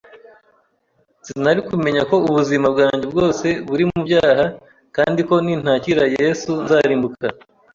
sinari kumenya ko ubuzima bwanjye bwose buri mu byaha kandi ko nintakira Yesu nzarimbuka.